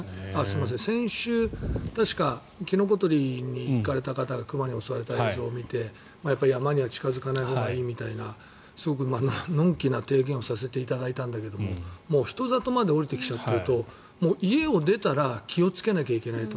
先週、確かキノコ採りに行かれた方が熊に襲われた映像を見て山には近付かないほうがいいみたいなすごく、のんきな提言をさせていただいたんだけど人里まで下りてきちゃっていると家を出たら気をつけないといけないと。